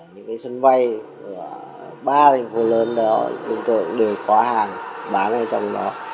những sân bay ba thành phố lớn đó chúng tôi cũng đều có hàng bán ở trong đó